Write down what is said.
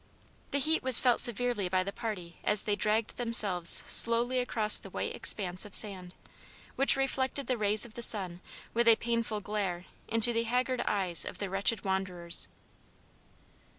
The heat was felt very severely by the party as they dragged themselves slowly across the white expanse of sand, which reflected the rays of the sun with a painful glare into the haggard eyes of the wretched wanderers.